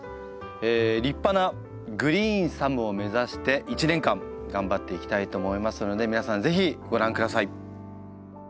立派なグリーンサムを目指して１年間頑張っていきたいと思いますので皆さんぜひご覧ください。